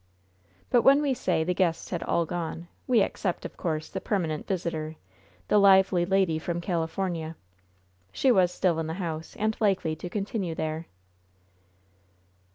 But when we say the guests had all gone, we except, of course, the permanent visitor, the lively lady from California. She was still in the house, and likely to continue there.